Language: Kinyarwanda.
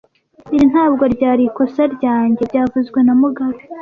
Iri ntabwo ryari ikosa ryanjye byavuzwe na mugabe